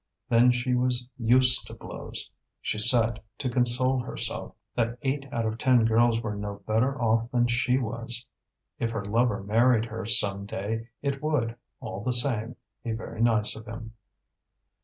Then she was used to blows; she said, to console herself, that eight out of ten girls were no better off than she was. If her lover married her some day it would, all the same, be very nice of him.